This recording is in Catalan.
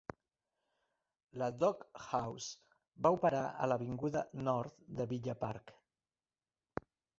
La Dog House va operar a l'Avinguda Nord de Villa Park.